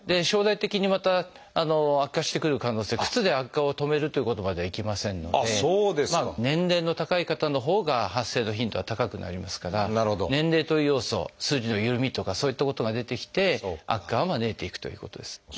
将来的にまた悪化してくる可能性靴で悪化を止めるっていうことまではいきませんので年齢の高い方のほうが発生の頻度は高くなりますから年齢という要素筋のゆるみとかそういったことが出てきて悪化を招いていくということです。